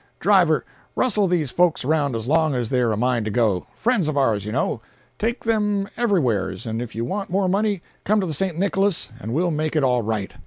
Driver, rustle these folks around as long as they're a mind to go—friends of ours, you know. Take them everywheres—and if you want more money, come to the St. Nicholas, and we'll make it all right.